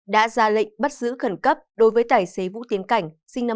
đã ra lệnh bắt giữ khẩn cấp đối với tài xế vũ tiến cảnh sinh năm một nghìn chín trăm tám